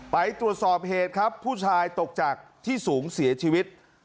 ไปตรวจสอบเหตุครับผู้ชายตกจากที่สูงเสียชีวิต